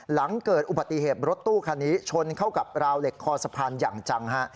หลังเกิดอุบัติเหตุรถตู้คันนี้ชนเข้ากับราวเหล็กคอสะพานอย่างจังฮะ